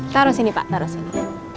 taruh sini pak taruh sini